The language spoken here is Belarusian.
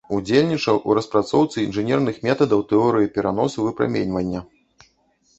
Удзельнічаў у распрацоўцы інжынерных метадаў тэорыі пераносу выпраменьвання.